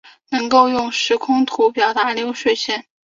能够用时空图表达流水线